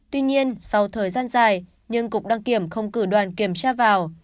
tuy nhiên sau thời gian dài nhưng cục đăng kiểm không cử đoàn kiểm tra vào